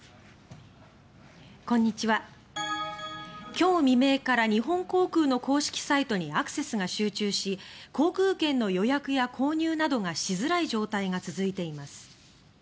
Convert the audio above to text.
今日未明から日本航空の公式サイトにアクセスが集中し航空券の予約や購入などがしづらい状態が続いています。